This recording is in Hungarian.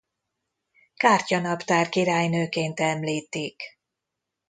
Kártyanaptár-királynőként említik.